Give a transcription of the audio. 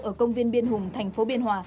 ở công viên biên hùng thành phố biên hòa